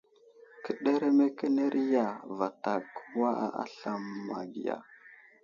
Kəɗeremekeneri ya, vatak kəwa aslam ma ge ya ?